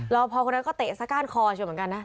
รอพอคนนั้นก็เตะซะก้านคอใช่ไหมกันนะ